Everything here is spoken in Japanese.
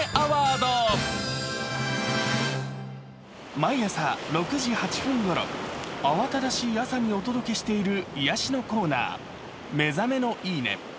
毎朝６時８分ごろ、慌ただしい朝にお届けしている癒やしのコーナー、「目覚めのいい音」。